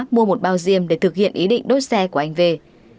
mua một bao diêm để thực hiện ý định đốt xe của anh v v h